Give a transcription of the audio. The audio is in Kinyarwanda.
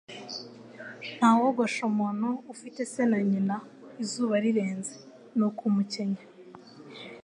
Nta wogosha umuntu ufite se na nyina izuba rirenze, ni ukumukenya